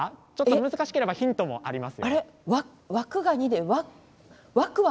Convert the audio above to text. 難しければヒントもあります。